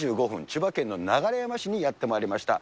千葉県の流山市にやってまいりました。